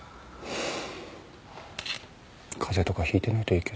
風邪とか引いてないといいけど。